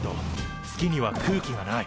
月には空気がない。